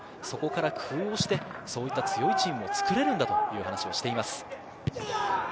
そこから工夫をして、そういった強いチームを作れるんだという話をしています。